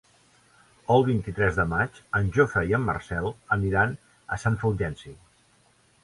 El vint-i-tres de maig en Jofre i en Marcel aniran a Sant Fulgenci.